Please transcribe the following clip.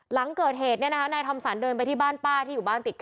หลังเกิดเหตุเนี่ยนะฝ่าที่ธรรมสรรค์เดินไปที่บ้านป้าที่บ้านติดกันอ่ะ